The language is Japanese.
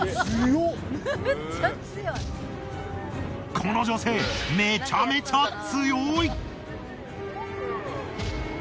この女性めちゃめちゃ強い！